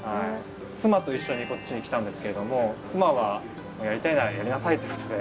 妻と一緒にこっちに来たんですけれども妻はやりたいならやりなさいってことで。